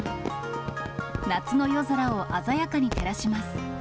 夏の夜空を鮮やかに照らします。